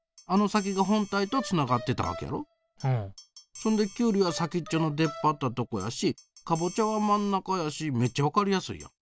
そんできゅうりは先っちょの出っ張ったとこやしカボチャは真ん中やしめっちゃ分かりやすいやん。